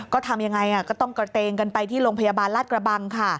ก็ทำยังไงก็ต้องกระเตงกันไปที่โรงพยาบาลราชกระบังค่ะ